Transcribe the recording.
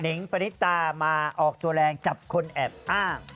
งปณิตามาออกตัวแรงจับคนแอบอ้าง